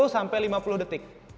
empat puluh sampai lima puluh detik